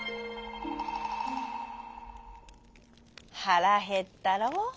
「はらへったろう。